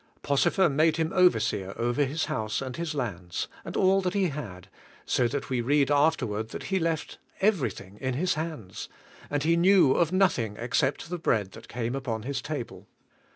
Potiphar made him overseer over his house and his lands, and all that he had, so that we read afterward that he left everything in his hands, and he knew of nothing except the bread that came upon his table.